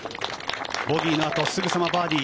ボギーのあとすぐさまバーディー。